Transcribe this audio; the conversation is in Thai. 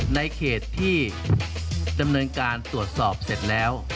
ในเขตที่ดำเนินการตรวจสอบเสร็จแล้ว